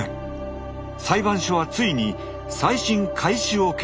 裁判所はついに再審開始を決定しました。